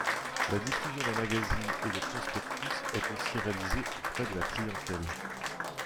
La diffusion d'un magazine et de prospectus est aussi réalisée auprès de la clientèle.